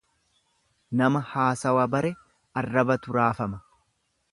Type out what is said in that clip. Nama haasawa bare arrabatu raafama.